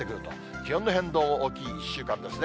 気温の変動の大きい１週間ですね。